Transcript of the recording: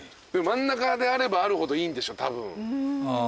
真ん中であればあるほどいいんでしょたぶん。